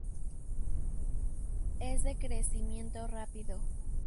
Es de crecimiento rápido.